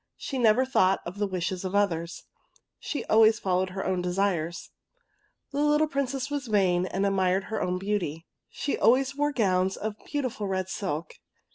She never thought of the wishes of others. She always followed her own desires. The little Princess was vain^ and admired her own beauty. She always wore gowns of beautiful red silk.